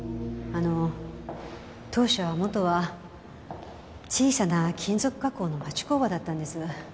あの当社は元は小さな金属加工の町工場だったんです。